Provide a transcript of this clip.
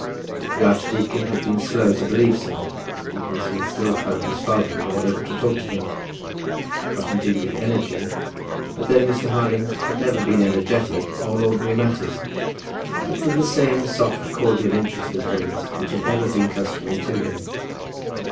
The archdeacon had been slow to believe so, because he had still found his father in law able to talk to him; not indeed with energy, but then Mr. Harding had never been energetic on ordinary matters, but with the same soft cordial interest in things which had ever been customary with him.